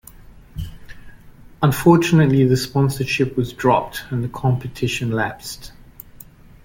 Unfortunately the sponsorship was dropped and the competition lapsed.